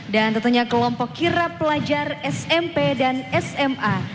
dan tentunya kelompok kirab pelajar smp dan sma